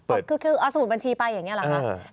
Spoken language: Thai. เอาสมุดบัญชีไปอย่างนี้หรือครับ